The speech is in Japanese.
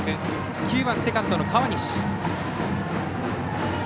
９番セカンドの川西。